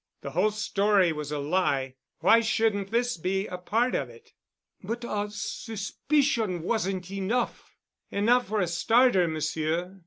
The whole story was a lie—why shouldn't this be a part of it?" "But a suspicion wasn't enough——" "Enough for a starter, Monsieur.